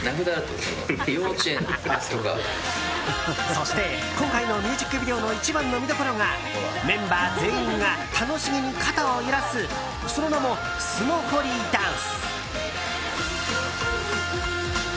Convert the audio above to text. そして今回のミュージックビデオの一番の見どころがメンバー全員が楽しげに肩を揺らすその名もスノホリダンス。